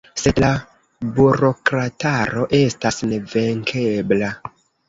Sed la burokrataro estas nevenkebla.